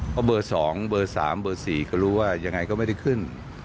เพราะเบอร์๒เบอร์๓เบอร์๔ก็รู้ว่ายังไงก็ไม่ได้ขึ้น